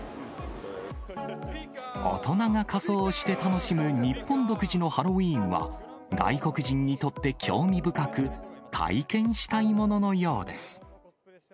大人が仮装をして楽しむ日本独自のハロウィーンは、外国人にとって興味深く、体験したいもののようです。